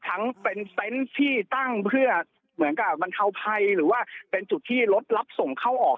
ทั้งเป็นเต็นต์ที่ตั้งเพื่อเหมือนกับบรรเทาภัยหรือว่าเป็นจุดที่รถรับส่งเข้าออก